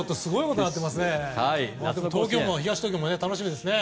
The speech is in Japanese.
東東京も楽しみですね。